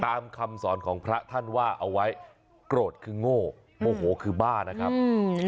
คำสอนของพระท่านว่าเอาไว้โกรธคือโง่โมโหคือบ้านะครับอืม